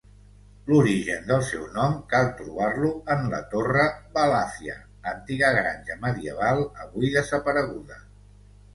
L'origen del seu nom cal trobar-lo en la Torre Balàfia, antiga granja medieval avui desapareguda.